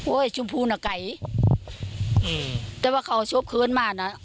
โอ้ยชมพู่น่ะไก่แต่ว่าเขาชบเขินมาน่ะ